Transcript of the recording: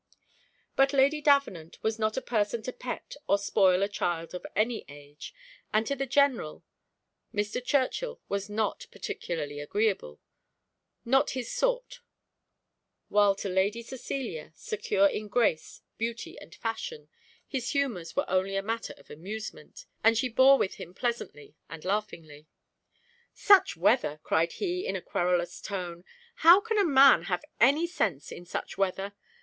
But Lady Davenant was not a person to pet or spoil a child of any age, and to the general, Mr. Churchill was not particularly agreeable not his sort; while to Lady Cecilia, secure in grace, beauty, and fashion, his humours were only matter of amusement, and she bore with him pleasantly and laughingly. "Such weather!" cried he in a querulous tone; "how can a man have any sense in such weather?